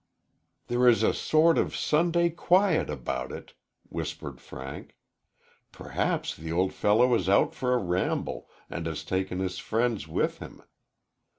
"There is a sort of Sunday quiet about it," whispered Frank. "Perhaps the old fellow is out for a ramble, and has taken his friends with him."